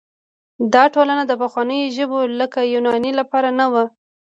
دا ټولنه د پخوانیو ژبو لکه یوناني لپاره نه وه.